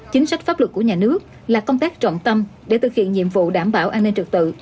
chính sách pháp luật của nhà nước là công tác trọng tâm để thực hiện nhiệm vụ đảm bảo an ninh trật tự